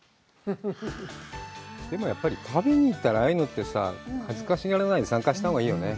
でもやっぱり旅に行ったらああいうのってさ、恥ずかしがらないで、参加したほうがいいよね。